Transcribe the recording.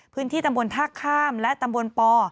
พื้นที่ตำบลท่าข้ามและตำบลป